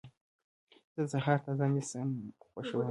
زه د سهار تازه نسیم خوښوم.